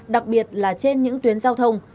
đặc biệt là trên những tuyến giao thông